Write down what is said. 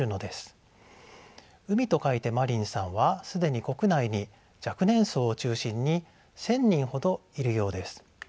「海」と書いて「マリン」さんは既に国内に若年層を中心に１，０００人ほどいるようです。